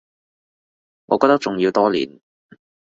我覺得仲要多練